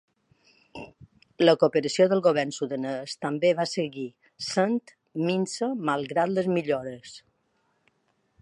La cooperació del govern sudanès també va seguir sent minsa malgrat les millores.